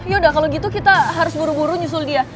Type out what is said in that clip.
yaudah kalau gitu kita harus buru buru nyusul dia